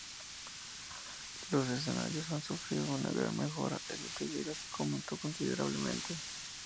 Los escenarios han sufrido una gran mejora, el detalle gráfico aumentó considerablemente.